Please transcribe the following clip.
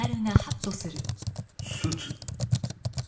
スーツ？